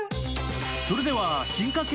それでは進化系